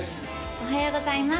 おはようございます